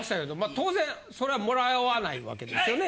当然それはもらわないわけですよね？